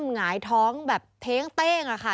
หงายท้องแบบเท้งค่ะ